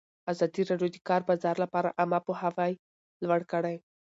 ازادي راډیو د د کار بازار لپاره عامه پوهاوي لوړ کړی.